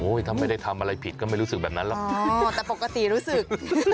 ถ้าไม่ได้ทำอะไรผิดก็ไม่รู้สึกแบบนั้นหรอกแต่ปกติรู้สึก